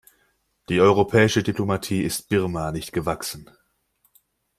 Die europäische Diplomatie ist Birma nicht gewachsen.